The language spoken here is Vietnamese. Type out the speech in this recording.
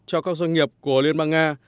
cho các doanh nghiệp của liên bang nga